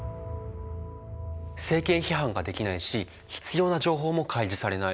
政権批判ができないし必要な情報も開示されない。